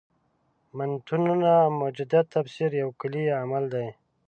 د متنونو مجدد تفسیر یو کُلي عمل دی.